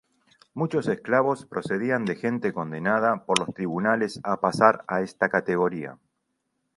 Muchos esclavos procedían de gente condenada por los tribunales a pasar a esta categoría.